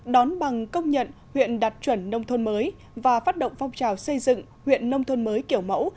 đón bằng công nhận huyện đạt chuẩn nông thôn mới và phát động phong trào xây dựng huyện nông thôn mới kiểu mẫu